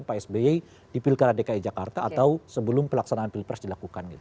jadi praktek yang pernah dijadikan pak sby di pilkara dki jakarta atau sebelum pelaksanaan pilpres dilakukan gitu